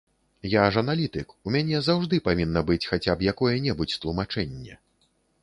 Я ж аналітык, у мяне заўжды павінна быць хаця б якое-небудзь тлумачэнне.